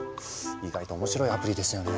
意外と面白いアプリですよね。